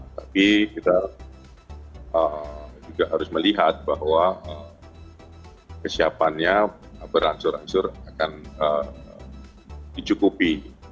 tapi kita juga harus melihat bahwa kesiapannya berangsur angsur akan dicukupi